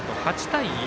８対１。